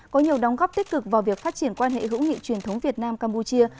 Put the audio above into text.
có nhiều đóng góp tích cực vào việc phát triển quan hệ hữu nghị truyền thống việt nam campuchia